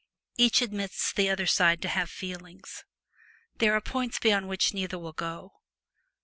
Each admits the other side to have feelings. There are points beyond which neither will go.